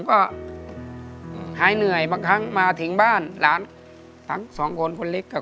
ก็หายเหนื่อยบางครั้งมาถึงบ้านหลานทั้งสองคนคนเล็กครับ